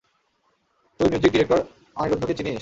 তুই music director আনিরুদ্ধকে চিনিস?